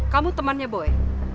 kamu temannya boy